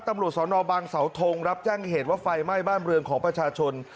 ตำลูกสรนอบบางสาวทงรับแจ้งการมีเหตุว่าไฟไหม้บ้านเรือนของประชาชน